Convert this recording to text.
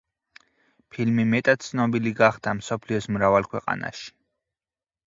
ფილმი მეტად ცნობილი გახდა მსოფლიოს მრავალ ქვეყანაში.